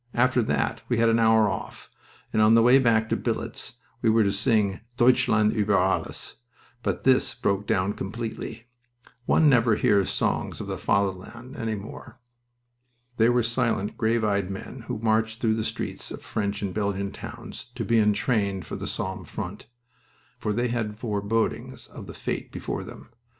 After that we had an hour off, and on the way back to billets we were to sing 'Deutschland uber Alles,' but this broke down completely. One never hears songs of the Fatherland any more." They were silent, grave eyed men who marched through the streets of French and Belgian towns to be entrained for the Somme front, for they had forebodings of the fate before them.